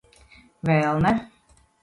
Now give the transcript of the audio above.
Vēl ne.